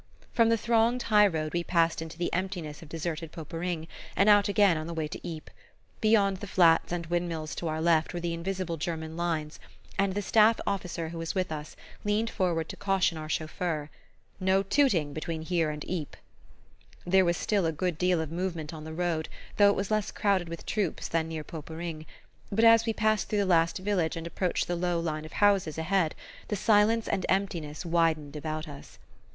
From the thronged high road we passed into the emptiness of deserted Poperinghe, and out again on the way to Ypres. Beyond the flats and wind mills to our left were the invisible German lines, and the staff officer who was with us leaned forward to caution our chauffeur: "No tooting between here and Ypres." There was still a good deal of movement on the road, though it was less crowded with troops than near Poperinghe; but as we passed through the last village and approached the low line of houses ahead, the silence and emptiness widened about us.